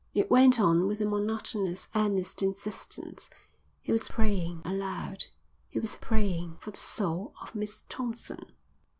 It went on with a monotonous, earnest insistence. He was praying aloud. He was praying for the soul of Miss Thompson.